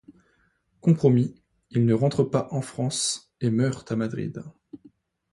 Compromis, il ne rentre pas en France et meurt à Madrid.